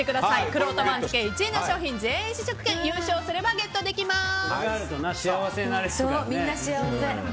くろうと番付１位の商品全員試食券優勝すればゲットできます。